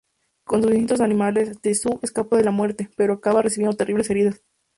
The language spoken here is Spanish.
Con sus instintos animales, Tae-soo escapa de la muerte, pero acaba recibiendo terribles heridas.